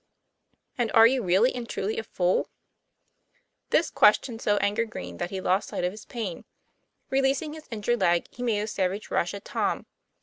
And are you really and truly a fool ?" This question so angered Green that he lost sight of his pain. Releasing his injured leg, he made a savage rush at Tom.